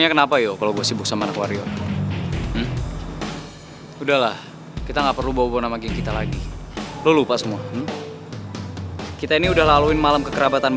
kenapa gak ada yang angkat tangan sih sama dia